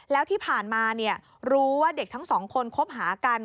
แล้วที่ผ่านมารู้ว่าเด็กทั้งสองคนคบหากัน